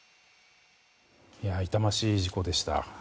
痛ましい事故でした。